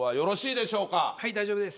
はい大丈夫です。